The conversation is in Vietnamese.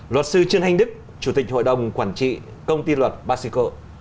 luật sư trương hanh đức chủ tịch hội đồng quản trị công ty luật basico